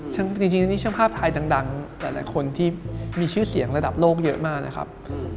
ซึ่งจริงนี่ช่างภาพไทยดังหลายคนที่มีชื่อเสียงระดับโลกเยอะมากนะครับ